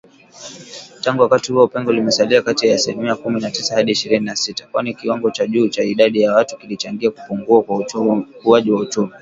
Tangu wakati huo pengo limesalia kati ya asilimia kumi na tisa hadi ishirini na sita, kwani kiwango cha juu cha idadi ya watu kilichangia kupungua kwa ukuaji wa uchumi.